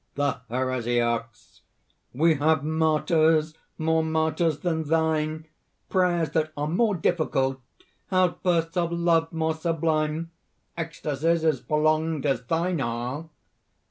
THE HERESIARCHS. "We have martyrs more martyrs than thine, prayers that are more difficult, outbursts of love more sublime, ecstasies as prolonged as thine are."